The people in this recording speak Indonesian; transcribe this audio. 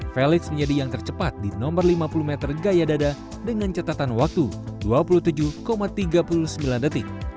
felix menjadi yang tercepat di nomor lima puluh meter gaya dada dengan catatan waktu dua puluh tujuh tiga puluh sembilan detik